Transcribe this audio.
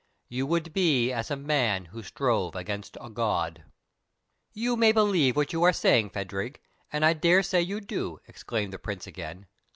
You would be as a man who strove against a god." "You may believe what you are saying, Phadrig, and I dare say you do," exclaimed the Prince again.